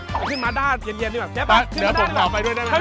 เราขึ้นมาด้านเย็นดีกว่าแป๊บขึ้นมาด้านดีกว่า